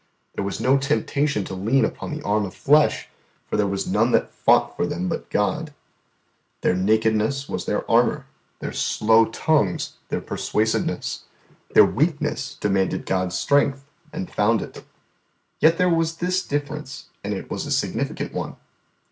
There was no temptation to lean upon the arm of flesh, for there was none that fought for them but God. Their nakedness was their armour, their slow tongues their persuasiveness, their weakness demanded God's strength, and found it. Yet there was this difference, and it was a significant one.